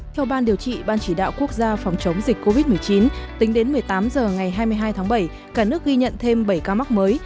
theo ban điều trị ban chỉ đạo quốc gia phòng chống dịch covid một mươi chín tính đến một mươi tám h ngày hai mươi hai tháng bảy cả nước ghi nhận thêm bảy ca mắc mới